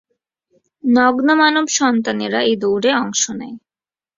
নগ্ন মানব সন্তানেরা এই দৌড়ে অংশ নেয়।